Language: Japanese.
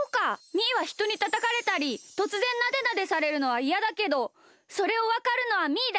みーはひとにたたかれたりとつぜんなでなでされるのはいやだけどそれをわかるのはみーだけなのか！